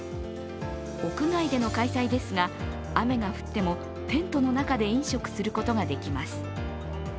屋外での開催ですが、雨が降ってもテントの中で飲食することができます。